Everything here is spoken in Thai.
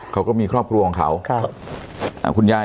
เขาก็มีครอบครัวของเขา